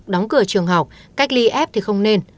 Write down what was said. đóng cửa trường học cách ly f thì không nên